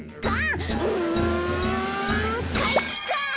うんかいか！